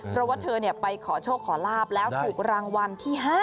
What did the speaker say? เพราะว่าเธอไปขอโชคขอลาบแล้วถูกรางวัลที่๕